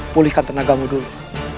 pulihkan tenagamu dulu